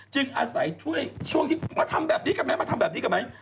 อาศัยถ้วยช่วงที่มาทำแบบนี้กันไหมมาทำแบบนี้กับไหม